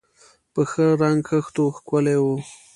په ښه رنګ خښتو ښکلي و.